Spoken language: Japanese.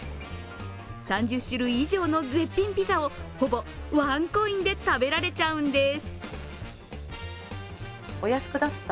３０種類以上の絶品ピザをほぼワンコインで食べられちゃうんです。